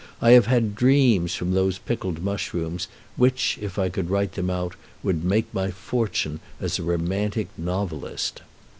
I have had dreams from those pickled mushrooms which, if I could write them out, would make my fortune as a romantic novelist.